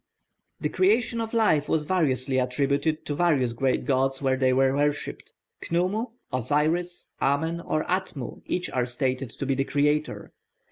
The creation of life was variously attributed to different great gods where they were worshipped. Khnumu, Osiris, Amen, or Atmu, each are stated to be the creator.